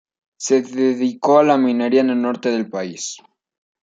Se dedicó a la minería en el norte del país.